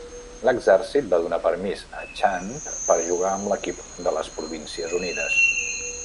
L'exèrcit va donar permís a Chand per jugar amb l'equip de les Províncies Unides.